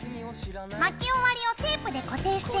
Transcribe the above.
巻き終わりをテープで固定してね。